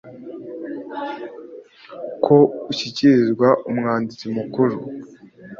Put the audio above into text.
ko ushyikirizwa umwanditsi mukuru